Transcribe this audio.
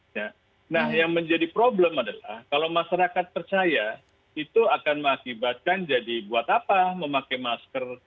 nah yang menjadi problem adalah kalau masyarakat percaya itu akan mengakibatkan jadi buat apa memakai masker